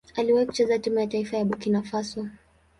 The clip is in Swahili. Aliwahi kucheza timu ya taifa ya Burkina Faso.